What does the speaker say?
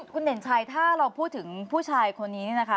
คุณเด่นชัยถ้าพูดถึงผู้ชายคนนี้นะคะ